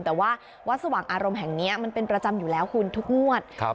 แต่ว่าวอารมณ์แห่งเชี่ยมันเป็นประจำอยู่แล้วคุณทุกงวดครับ